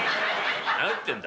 何言ってんだ。